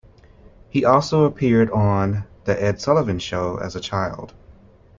He also appeared on "The Ed Sullivan Show" as a child.